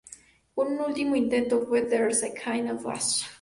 Un último intento fue "There's a kind of Hush".